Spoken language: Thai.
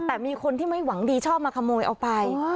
แต่มีคนที่ไม่หวังดีชอบมาขโมยเอาไป